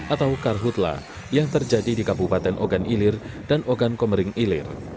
atau karhutlah yang terjadi di kabupaten ogan ilir dan ogan komering ilir